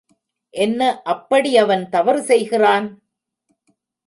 என்ன அப்படி அவன் தவறு செய்கிறான்?